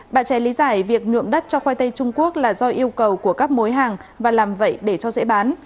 bạn trẻ lý giải việc nhuộm đất cho khoai tây trung quốc là do yêu cầu của các mối hàng và làm vậy để cho dễ bán